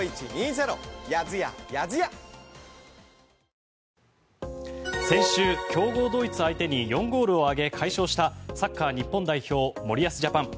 これ、例えば週末とか祝日とか先週、強豪ドイツ相手に４ゴールを挙げ快勝したサッカー日本代表森保ジャパン。